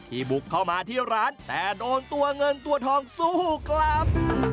บุกเข้ามาที่ร้านแต่โดนตัวเงินตัวทองสู้กลับ